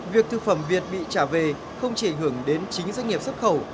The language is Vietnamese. việc thực phẩm việt bị trả về không chỉ ảnh hưởng đến chính doanh nghiệp xuất khẩu